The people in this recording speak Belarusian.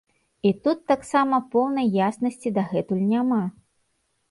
І тут таксама поўнай яснасці дагэтуль няма.